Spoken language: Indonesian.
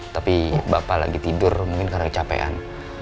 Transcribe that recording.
tapi bapak lagi tidur mungkin karena kecapean